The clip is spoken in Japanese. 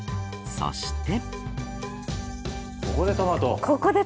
そして。